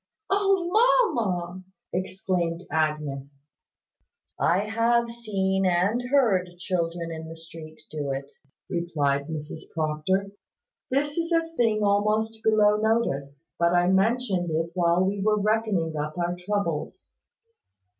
"O mamma!" exclaimed Agnes. "I have seen and heard children in the street do it," replied Mrs Proctor. "This is a thing almost below notice; but I mentioned it while we were reckoning up our troubles."